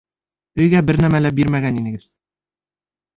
Өйгә бер нәмә лә бирмәгән инегеҙ.